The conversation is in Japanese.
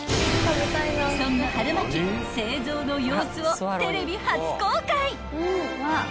［そんな春巻き製造の様子をテレビ初公開］